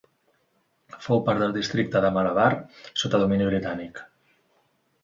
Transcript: Fou part del districte de Malabar sota domini britànic.